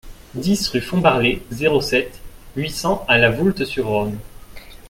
dix rue Fombarlet, zéro sept, huit cents à La Voulte-sur-Rhône